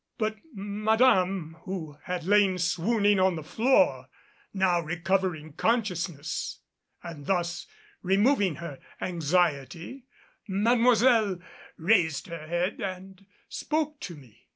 But Madame, who had lain swooning on the floor, now recovering consciousness and thus removing her anxiety Mademoiselle raised her head and spoke to me.